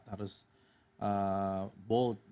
kepala yang berani